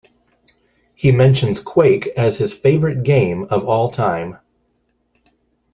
He mentions Quake as his favourite game of all time.